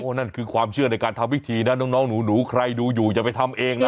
นั่นคือความเชื่อในการทำวิธีนะน้องหนูใครดูอยู่อย่าไปทำเองนะ